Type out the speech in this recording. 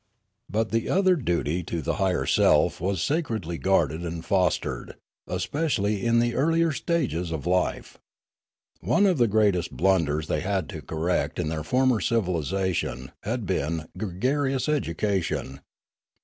But the other duty to the higher self was sacredly guarded and fostered, especially in the earlier stages of life. One of the greatest blunders they had to correct in their former civilisation had been gregarious educa tion.